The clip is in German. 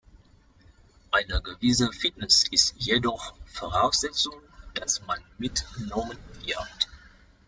Eine gewisse Fitness ist jedoch Voraussetzung, dass man mitgenommen wird.